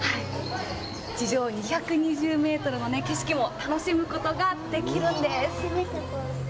地上２２０メートルの景色も楽しむことができるんです。